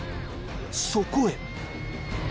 ［そこへ］